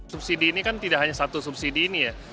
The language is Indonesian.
subsidi ini kan tidak hanya satu subsidi ini ya